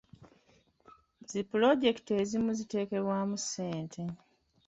Zi pulojekiti ezimu ziteekebwamu ssente.